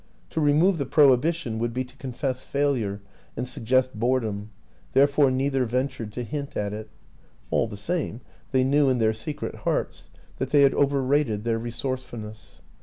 To remove the prohibition would be to confess failure and suggest boredom, therefore neither ventured to hint at it; all the same, they knew in their secret hearts that they had over rated their resourcefulness.